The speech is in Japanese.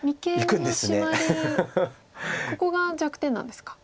ここが弱点なんですか。